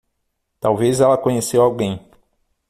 Talvez ela conheceu alguém.